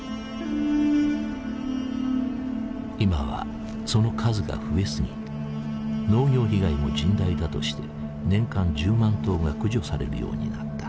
今はその数が増え過ぎ農業被害も甚大だとして年間１０万頭が駆除されるようになった。